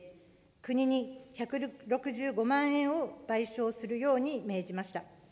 国に１６５万円を賠償するように命じました。